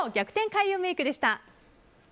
開運メイクでした。